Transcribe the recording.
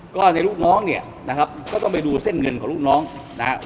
ก็ในลูกน้องเนี่ยนะครับก็ต้องไปดูเส้นเงินของลูกน้องนะครับ